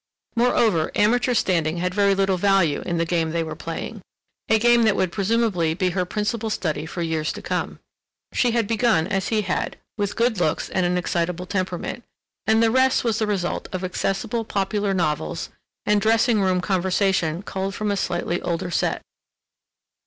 Moreover, amateur standing had very little value in the game they were playing, a game that would presumably be her principal study for years to come. She had begun as he had, with good looks and an excitable temperament, and the rest was the result of accessible popular novels and dressing room conversation culled from a slightly older set.